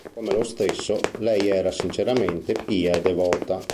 Come lo stesso, lei era sinceramente pia e devota.